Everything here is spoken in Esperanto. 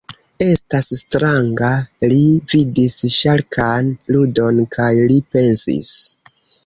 Estas stranga. Li vidis ŝarkan ludon, kaj li pensis: